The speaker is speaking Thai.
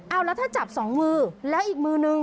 เอาแล้วถ้าจับสองมือแล้วอีกมือนึง